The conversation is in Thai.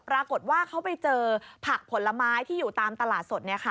ปรากฏว่าเขาไปเจอผักผลไม้ที่อยู่ตามตลาดสด